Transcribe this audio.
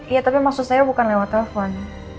iya tapi maksud saya bukan lewat telepon